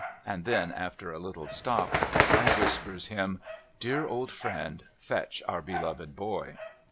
' and then after a little stop I whispers him, ' Dear old friend fetch our beloved boy.'